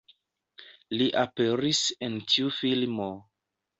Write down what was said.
Li aperis en tiu filmo